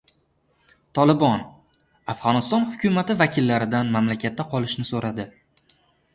«Tolibon» Afg‘oniston hukumati vakillaridan mamlakatda qolishni so‘radi